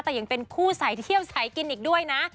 แต่ยังเป็นคู่ใสเที่ยวสายกินอีกด้วยนะ